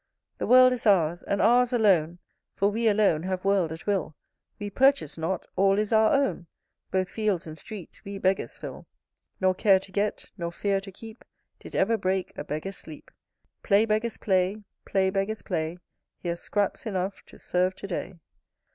The world is ours, and ours alone; For we alone have world at will We purchase not, all is our own; Both fields and streets we Beggars fill. Nor care to get, nor fear to keep, Did ever break a Beggar's sleep, Play, Beggars, play; play, Beggars, play; Here's scraps enough to serve to day.